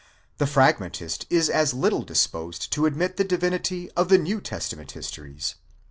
The Frag mentist is as little disposed to admit the divinity of the New Testament histories.